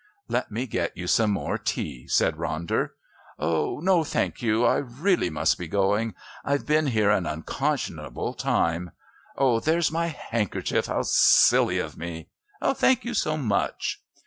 "Let me get you some more tea," said Ronder. "No, thank you. I really must be going. I've been here an unconscionable time. Oh! there's my handkerchief. How silly of me! Thank you so much!"